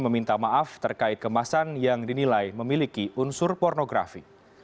meminta maaf terkait kemasan yang dinilai memiliki unsur pornografi